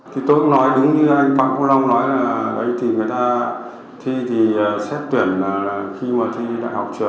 thì tôi cũng nói đúng như anh phạm công long nói là khi người ta thi thì xét tuyển là khi mà thi đại học truyền